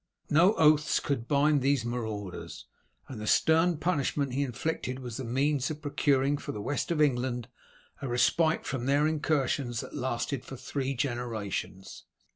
No oaths could bind these marauders, and the stern punishment he inflicted was the means of procuring for the West of England a respite from their incursions that lasted for three generations.